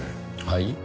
はい？